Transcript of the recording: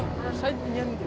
lu mau rasain nyantik